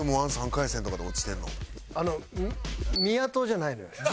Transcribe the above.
じゃああの宮戸じゃないのよ。